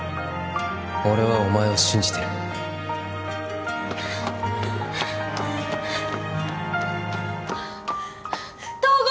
俺はお前を信じてる東郷！